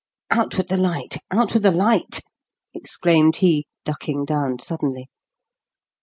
"Out with the light out with the light!" exclaimed he, ducking down suddenly.